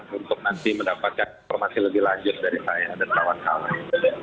saya yakin anda akan mendapatkan informasi lebih lanjut dari saya dan kawan kawan